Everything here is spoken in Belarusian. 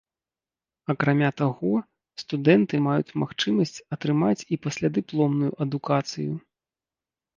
Акрамя таго, студэнты маюць магчымасць атрымаць і паслядыпломную адукацыю.